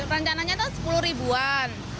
rencananya itu rp sepuluh an